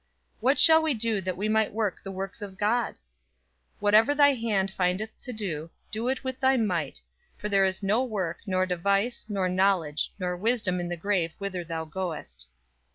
"What shall we do that we might work the works of God?" "Whatsoever thy hand findeth to do, do it with thy might; for there is no work, nor device, nor knowledge, nor wisdom in the grave whither thou goest."